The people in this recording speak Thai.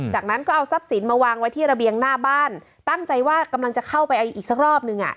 จากนั้นก็เอาทรัพย์สินมาวางไว้ที่ระเบียงหน้าบ้านตั้งใจว่ากำลังจะเข้าไปอีกสักรอบนึงอ่ะ